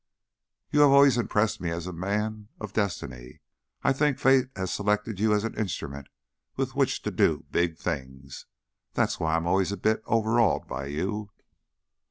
"You have always impressed me as a a man of destiny. I think fate has selected you as an instrument with which to do big things. That's why I'm always a bit overawed by you."